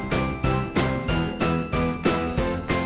มีความสุขในที่เราอยู่ในช่องนี้ก็คือความสุขในที่เราอยู่ในช่องนี้